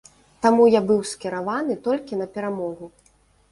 Таму я быў скіраваны толькі на перамогу.